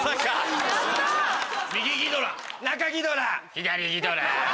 左ギドラ。